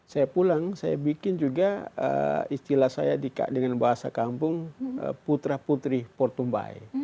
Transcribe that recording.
saya pulang saya bikin juga istilah saya dengan bahasa kampung putra putri portumbai